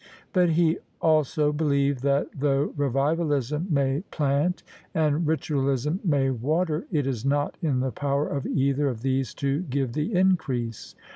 But he also believed that though Revivalism may plant and Ritualism may water, it is not in the power of either of these to give the increase.